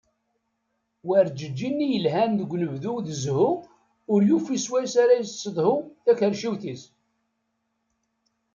Werǧeǧǧi-nni yelhan deg unebdu d zzhu, ur yufi s wayes ara yessedhu takerciwt-is.